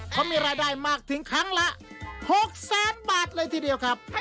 เขามีรายได้มากถึงครั้งละ๖แสนบาทเลยทีเดียวครับ